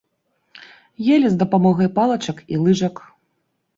Елі з дапамогай палачак і лыжак.